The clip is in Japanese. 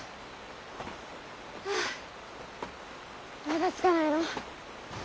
まだ着かないの？